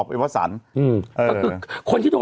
คนที่โดนโดนโดนโดน